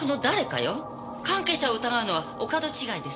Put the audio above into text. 関係者を疑うのはお門違いです。